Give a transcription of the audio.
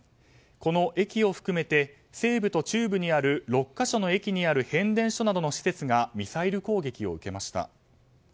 この駅を含めて西部と中部にある６か所の駅にある変電所などの施設がミサイル攻撃を受けました。